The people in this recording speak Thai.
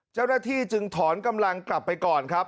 เจ้าหน้าที่จึงถอนกำลังกลับไปก่อนครับ